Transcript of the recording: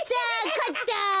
かった。